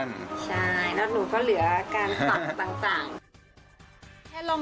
ใช่แล้วหนูก็เหลือการตัดต่าง